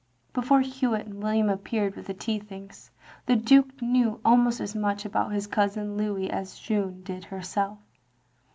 Before Hewitt and William appeared with the tea things, the Ehake knew almost as much about his cousin Louis as Jeanne did herself.